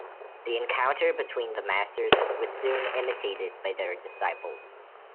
The encounter between the masters was soon imitated by their disciples.